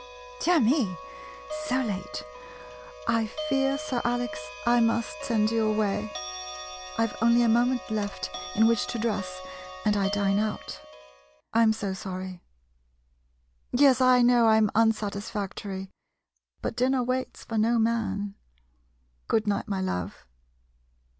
[Clock strikes. ] Dear me ! so late ! I fear, Sir Alex, I must send you away. I 've only a moment left in which to dress, and I dine out. I 'm so sorry — yes, I know I 'm unsatisfactory — but din ner waits for no man. ... Good night, my love.